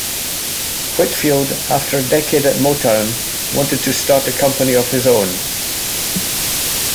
Whitfield, after a decade at Motown, wanted to start a company of his own.